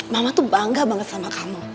mama tuh bangga banget sama kamu